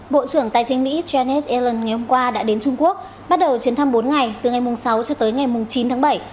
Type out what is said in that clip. bộ trưởng tài chính mỹ janet elon ngày hôm qua đã đến trung quốc bắt đầu chuyến thăm bốn ngày từ ngày sáu cho tới ngày chín tháng bảy